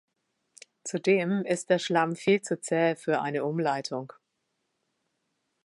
Zudem ist der Schlamm viel zu zäh für eine Umleitung.